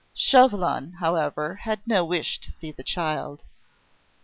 Chauvelin, however, had no wish to see the child.